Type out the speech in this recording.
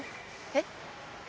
えっ？